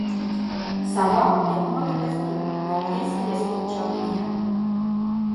Сава, як малы пястун, на ўвесь лес крычала нема.